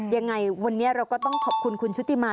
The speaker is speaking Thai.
ยังไงวันนี้เราก็ต้องขอบคุณคุณชุติมา